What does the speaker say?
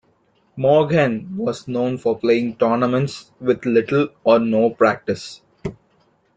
Morgan was known for playing tournaments with little or no practice.